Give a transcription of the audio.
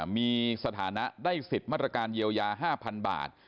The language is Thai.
มีสถานะได้สิทธิ์มาตรการเยียวยา๕๐๐๐บาท